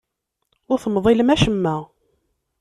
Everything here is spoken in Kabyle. Ur temḍilem acemma.